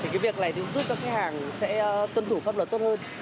cái việc này cũng giúp cho khách hàng sẽ tuân thủ pháp luật tốt hơn